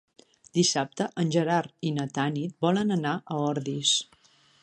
Dissabte en Gerard i na Tanit volen anar a Ordis.